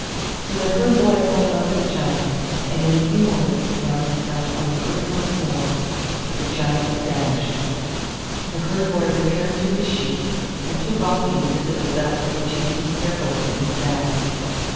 So the Herd boy held on to the Giant, and in a few moments he found himself on the earth once more, but the Giant had vanished. The Herd boy returned to his sheep, and took off the invisible belt which he hid carefully in his bag.